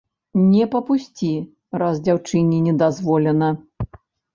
Не папусці, раз дзяўчыне не дазволена.